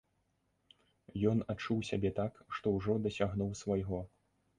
Ён адчуў сябе так, што ўжо дасягнуў свайго.